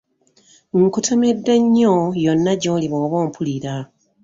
Nkutumidde nnyo yonna gy'oli bw'oba ompulira.